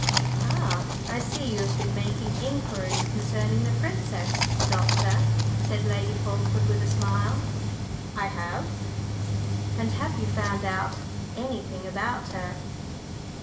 "Ah, I see you have been making inquiries concerning the princess, Doctor," said Lady Fulkeward, with a smile. "I have." "And have you found out anything about her?"